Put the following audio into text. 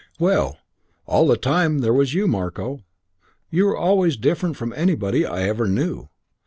Well, all the time there was you, Marko. You were always different from anybody I ever knew.